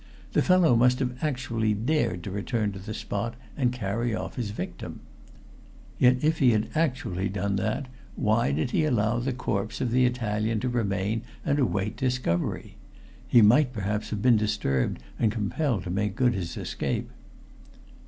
The fellow must have actually dared to return to the spot and carry off the victim. Yet if he had actually done that, why did he allow the corpse of the Italian to remain and await discovery? He might perhaps have been disturbed and compelled to make good his escape.